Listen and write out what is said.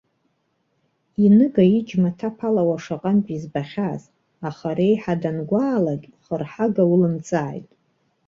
Иныга аџьма ҭаԥалауа шаҟантә избахьаз, аха реиҳа дангәаалак, хырҳага улымҵааит!